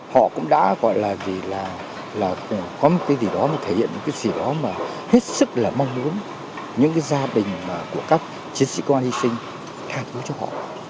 họ cũng đã gọi là vì là có một cái gì đó thể hiện những cái gì đó mà hết sức là mong muốn những gia đình của các chiến sĩ công an hy sinh tha thứ cho họ